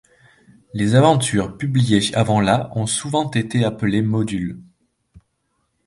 Les aventures publiées avant la ont souvent été appelées modules.